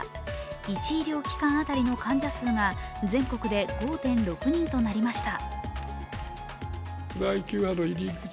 １医療機関当たりの患者数が全国で５．６人となりました。